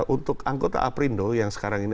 untuk anggota aprindo yang sekarang ini